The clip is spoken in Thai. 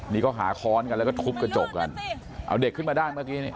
นี่เขาหาค้อนกันแล้วก็ทุบกระจกกันเอาเด็กขึ้นมาได้เมื่อกี้นี่